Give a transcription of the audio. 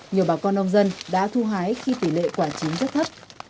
nhiều bà con nông dân đã thu hái khi tỷ lệ quả trứng rất thấp